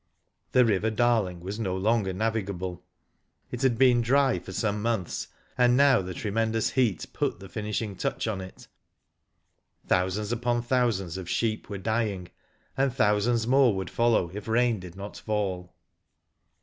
The River Darling was no longer navigable. Digitized byGoogk THE BIG DROUGHT. 183 It had been dry for some months, and now the tremendous heat put the finishing touch on it Thousands upon thousands of sheep were dying, and thousands more would follow if rain did not fall.